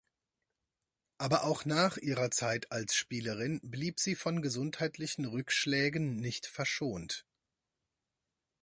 Aber auch nach ihrer Zeit als Spielerin blieb sie von gesundheitlichen Rückschlägen nicht verschont.